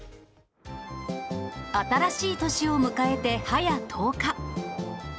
新しい年を迎えて、早１０日。